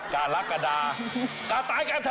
กะรักกระดากะตายกับเธอ